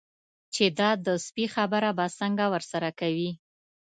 چې دا د سپي خبره به څنګه ورسره کوي.